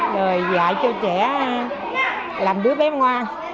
rồi dạy cho trẻ làm đứa bé ngoan